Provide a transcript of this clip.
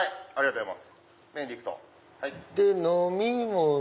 ありがとうございます。